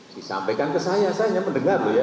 disampaikan ke saya saya hanya mendengar loh ya